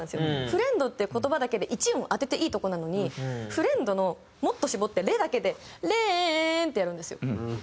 「フレンド」っていう言葉だけで１音当てていいとこなのに「フレンド」のもっと絞って「レ」だけで「レエエエン」ってやるんですよ。